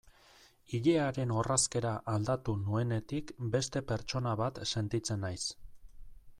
Ilearen orrazkera aldatu nuenetik beste pertsona bat sentitzen naiz.